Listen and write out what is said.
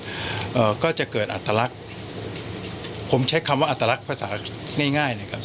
เอ่อก็จะเกิดอัตลักษณ์ผมใช้คำว่าอัตลักษณ์ภาษาง่ายง่ายนะครับ